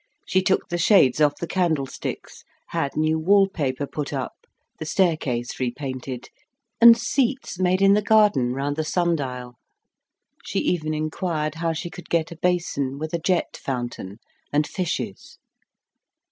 She took the shades off the candlesticks, had new wallpaper put up, the staircase repainted, and seats made in the garden round the sundial; she even inquired how she could get a basin with a jet fountain and fishes.